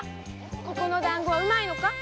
ここの団子はうまいのか？